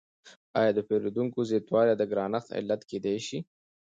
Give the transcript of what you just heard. آیا د پیرودونکو زیاتوالی د ګرانښت علت کیدای شي؟